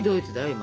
今。